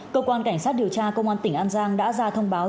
cơ quan cảnh sát điều tra công an tỉnh an giang đã ra thông báo